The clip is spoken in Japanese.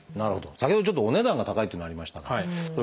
先ほどちょっとお値段が高いっていうのありましたが気になるのはね